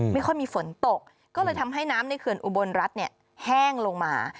ไม่ค่อยมีฝนตกก็เลยทำให้น้ำในเขื่อนอุบลรัฐเนี่ยแห้งลงมา